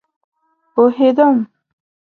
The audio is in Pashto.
پوهيدم